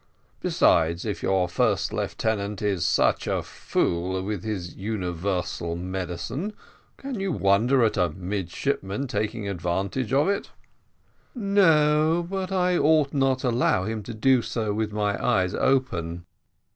Besides, if your first lieutenant is such a fool with his universal medicine, can you wonder at a midshipman taking advantage of it?" "No, but I ought not to allow him to do so with my eyes open."